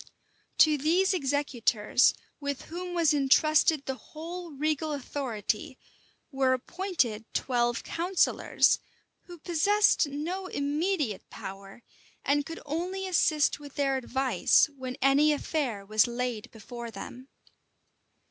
To these executors, with whom was intrusted the whole regal authority, were appointed twelve counsellors, who possessed no immediate power, and could only assist with their advice when any affair was laid before them.